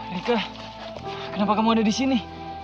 nikah kenapa kamu ada di sini